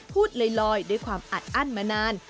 พูดลอยด้วยความอัดอั้นมานาน